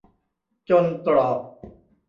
จนตรอก